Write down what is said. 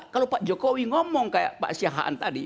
kalau pak jokowi ngomong kayak pak siahaan tadi